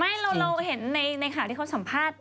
ไม่เราเห็นในข๖๖๔ระด้าที่เขาสัมภาษณ์